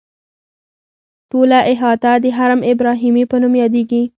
ټوله احاطه د حرم ابراهیمي په نوم یادیږي.